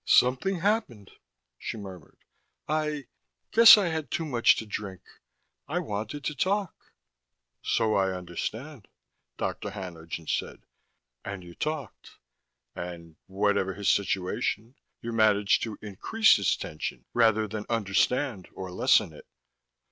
"Something happened," she murmured. "I guess I had too much to drink. I wanted to talk." "So I understand," Dr. Haenlingen said. "And you talked. And whatever his situation you managed to increase his tension rather than understand or lessen it."